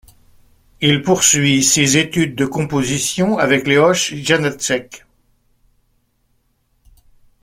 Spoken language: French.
Il poursuit ses études de Composition avec Leoš Janáček.